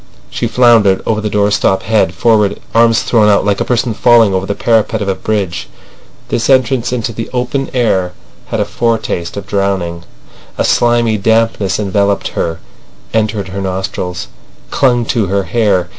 She floundered over the doorstep head forward, arms thrown out, like a person falling over the parapet of a bridge. This entrance into the open air had a foretaste of drowning; a slimy dampness enveloped her, entered her nostrils, clung to her hair.